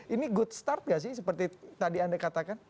ini good start gak sih seperti tadi anda katakan